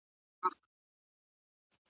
شپه په اوښکو لمبومه پروانې چي هېر مي نه کې .